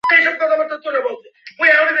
প্রথমত, অবশ্যই, আমি ভয় পাচ্ছি।